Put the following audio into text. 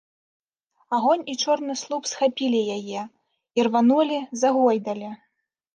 Агонь і чорны слуп схапілі яе, ірванулі, загойдалі.